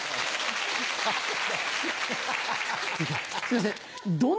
すいません